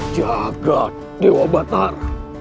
jaga dewa batar